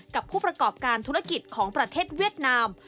กับผู้ประกอบการธุรกิจของประเทศเวียดนาม